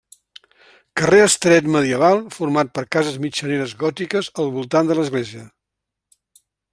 Carrer estret medieval format per cases mitjaneres gòtiques al voltant de l'església.